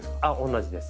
同じです。